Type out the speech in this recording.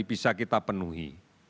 bisa kita penuhi